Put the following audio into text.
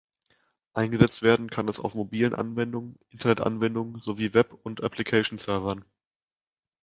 Eingesetzt werden kann es auf mobilen Anwendungen, Internet-Anwendungen sowie Web- und Application-Servern.